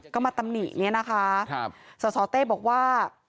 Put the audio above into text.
ก็มาตำหนิเนี่ยนะคะสสเต้บอกว่า